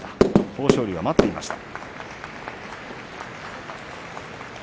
豊昇龍が待っていました。